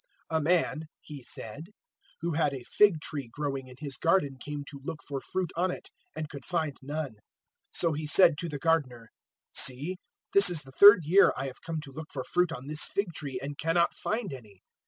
"A man," He said, "who had a fig tree growing in his garden came to look for fruit on it and could find none. 013:007 So he said to the gardener, "`See, this is the third year I have come to look for fruit on this fig tree and cannot find any.